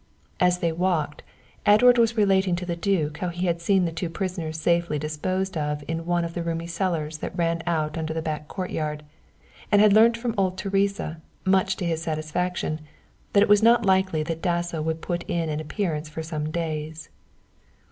As they walked, Edward was relating to the duke how he had seen the two prisoners safely disposed of in one of the roomy cellars that ran out under the back courtyard, and had learnt from old Teresa, much to his satisfaction, that it was not likely that Dasso would put in an appearance for some days.